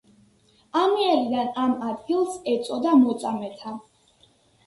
ამიერიდან ამ ადგილს ეწოდა მოწამეთა.